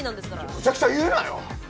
むちゃくちゃ言うなよ！